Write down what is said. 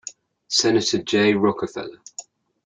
Senator, Jay Rockefeller.